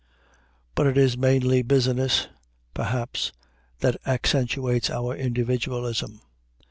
But it is mainly "business," perhaps, that accentuates our individualism.